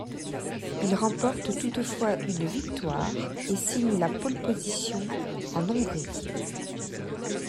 Il remporte toutefois une victoire et signe la pole position en Hongrie.